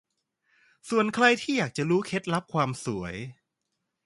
ส่วนใครที่อยากจะรู้เคล็ดลับความสวย